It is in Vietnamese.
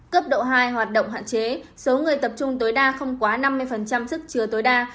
cấp độ hai hoạt động hạn chế số người tập trung tối đa không quá năm mươi sức chứa tối đa